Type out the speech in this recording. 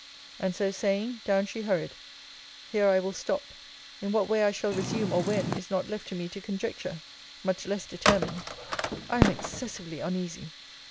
And so saying, down she hurried. Here I will stop. In what way I shall resume, or when, is not left to me to conjecture; much less determine. I am excessively uneasy!